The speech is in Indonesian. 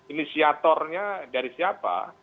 inisiatornya dari siapa